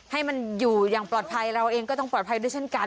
ให้มันอยู่อย่างปลอดภัยเราเองก็ต้องปลอดภัยด้วยเช่นกัน